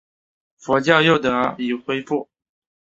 佛教又得以恢复。